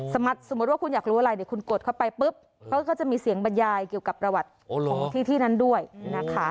สมมุติว่าคุณอยากรู้อะไรเดี๋ยวคุณกดเข้าไปปุ๊บเขาก็จะมีเสียงบรรยายเกี่ยวกับประวัติของที่ที่นั้นด้วยนะคะ